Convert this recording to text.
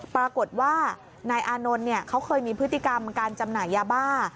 ปรากฏว่านายอานนท์เขาเคยมีพฤติกรรมการจำหน่ายยาบ้า